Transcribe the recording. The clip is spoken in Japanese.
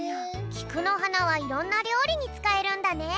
きくのはなはいろんなりょうりにつかえるんだね。